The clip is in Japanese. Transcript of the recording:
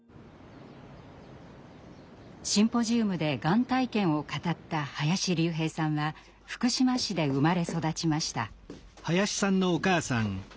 シンポジウムでがん体験を語った林竜平さんは福島市で生まれ育ちました。